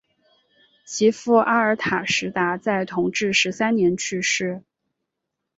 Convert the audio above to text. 其父阿尔塔什达在同治十三年去世。